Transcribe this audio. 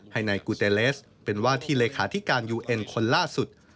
ให้นายกูเตเลสเป็นว่าที่เลขาธิการยูเอ็นคนล่าสุด